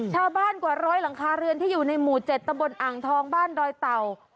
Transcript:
กว่าร้อยหลังคาเรือนที่อยู่ในหมู่๗ตำบลอ่างทองบ้านดอยเต่า